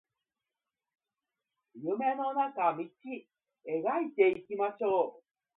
夢の中道描いていきましょう